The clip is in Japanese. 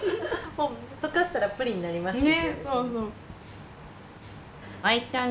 溶かしたらプリンになりますね。